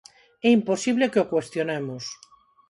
É imposible que o cuestionemos.